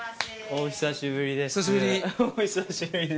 お久しぶりです。